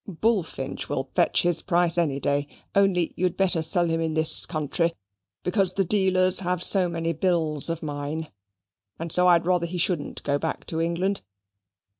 Bullfinch will fetch his price any day, only you'd better sell him in this country, because the dealers have so many bills of mine, and so I'd rather he shouldn't go back to England.